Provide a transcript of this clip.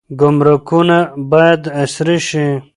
ګمرکونه باید عصري شي.